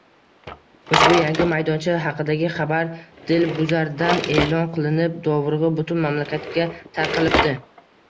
Ushbu yangi maydoncha haqidagi xabar dilbuzardan eʼlon qilinib, dovrugʻi butun mamlakatga tarqalibdi.